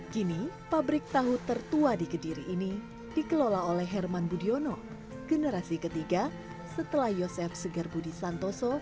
kini pabrik tahu tertua di kediri ini dikelola oleh herman budiono generasi ketiga setelah yosef segar budi santoso